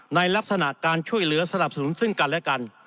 ในลักษณะการช่วยเหลือสนับสนุนซึ่งกันและกัน